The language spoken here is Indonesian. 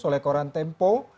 oleh koran tempo